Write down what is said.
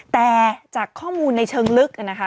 แต่จากข้อมูลในเชิงลึกนะคะ